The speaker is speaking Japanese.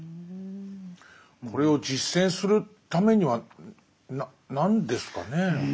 これを実践するためには何ですかね。